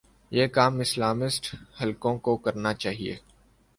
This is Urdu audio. یہ کام اسلامسٹ حلقوں کوکرنا چاہیے۔